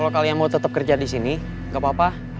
kalo kalian mau tetep kerja disini gapapa